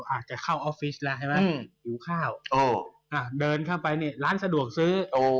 อาจจะเข้าออฟฟิศแล้วใช่ไหมหิวข้าวเดินเข้าไปนี่ร้านสะดวกซื้อ